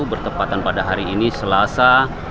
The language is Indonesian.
bertepatan pada hari ini selasa